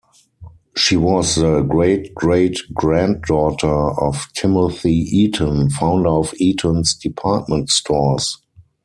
She was the great-great-granddaughter of Timothy Eaton, founder of Eaton's department stores.